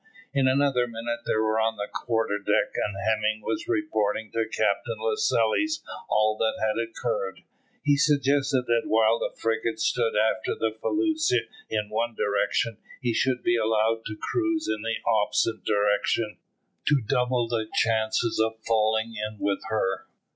In another minute they were on the quarter deck, and Hemming was reporting to Captain Lascelles all that had occurred. He suggested, that while the frigate stood after the felucca in one direction, he should be allowed to cruise in an opposite direction, to double the chances of falling in with her.